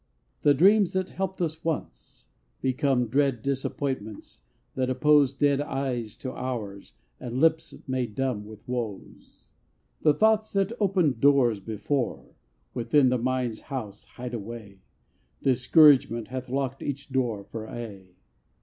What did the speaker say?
The dreams, that helped us once, become Dread disappointments, that oppose Dead eyes to ours, and lips made dumb With woes. The thoughts that opened doors before Within the mind's house, hide away; Discouragement hath locked each door For aye.